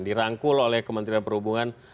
dirangkul oleh kementerian perhubungan